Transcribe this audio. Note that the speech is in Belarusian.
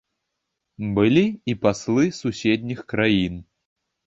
Былі і паслы суседніх краін.